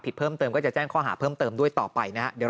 เพิ่มเติมก็จะแจ้งข้อหาเพิ่มเติมด้วยต่อไปนะฮะ